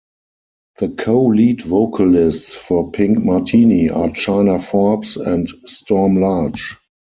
The co-lead vocalists for Pink Martini are China Forbes and Storm Large.